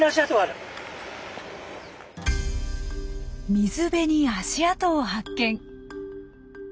水辺に足跡を発見。